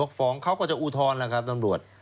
ฟ้องเขาก็จะอุทธรณ์แล้วครับตำรวจ